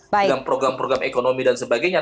dengan program program ekonomi dan sebagainya